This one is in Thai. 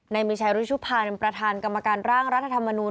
ในมีชัยรุชุภาเป็นประธานกรรมการร่างรัฐธรรมนุน